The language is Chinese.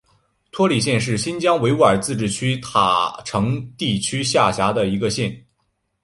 托里县是新疆维吾尔自治区塔城地区下辖的一个县。